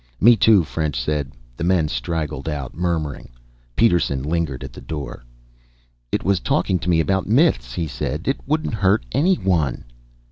"Me, too," French said. The men straggled out, murmuring. Peterson lingered at the door. "It was talking to me about myths," he said. "It wouldn't hurt anyone."